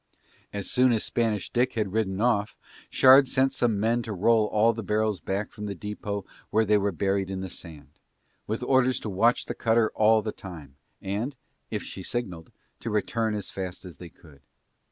And as soon as Spanish Dick had ridden off Shard sent some men to roll all the barrels back from the depot where they were buried in the sand, with orders to watch the cutter all the time and, if she signalled, to return as fast as they could.